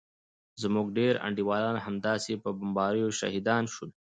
زموږ ډېر انډيوالان همداسې په بمباريو شهيدان سول.